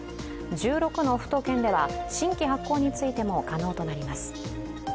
１６の府と県では新規発行についても可能となります。